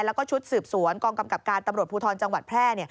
แล้วก็ชุดสืบสวนกองกำกับการตำรวจภูทรจังหวัดแพร่